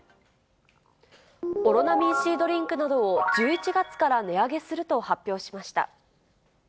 オロナミンＣドリンクなどを１１月から値上げすると発表しました。